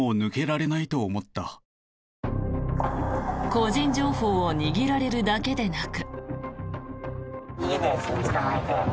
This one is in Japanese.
個人情報を握られるだけでなく。